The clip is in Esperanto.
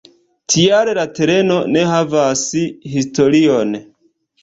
Tial la tereno ne havas historion.